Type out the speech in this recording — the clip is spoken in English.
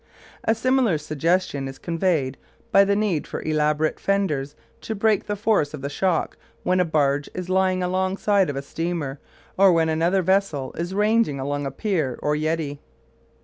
A similar suggestion is conveyed by the need for elaborate "fenders" to break the force of the shock when a barge is lying alongside of a steamer, or when any other vessel is ranging along a pier or jetty.